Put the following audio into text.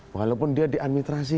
walaupun dia di administrasi